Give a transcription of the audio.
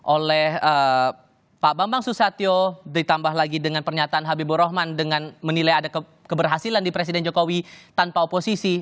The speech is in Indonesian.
oleh pak bambang susatyo ditambah lagi dengan pernyataan habibur rahman dengan menilai ada keberhasilan di presiden jokowi tanpa oposisi